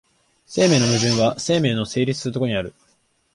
生命の矛盾は生命の成立する所にある。